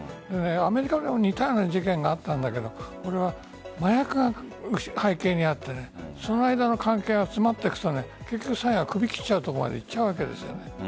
アメリカでも似たような事件があったんだけどこれは麻薬が背景にあってその間の関係が迫っていくと最後は首切っちゃうところまでいっちゃうわけです。